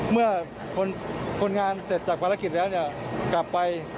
เมื่อคนงานเสร็จจากภารกิจแล้วกลับไป